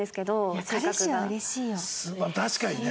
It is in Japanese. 確かにね。